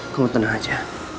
kamu tenang aja